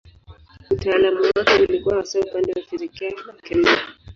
Utaalamu wake ulikuwa hasa upande wa fizikia na kemia.